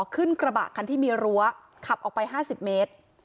ขึ้นกระบะคันที่มีรั้วขับออกไป๕๐เมตร